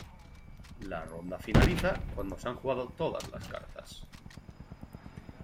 La ronda finaliza cuando se han jugado todas las cartas.